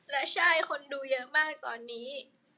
และใช่คนดูเยอะมากตอนนี้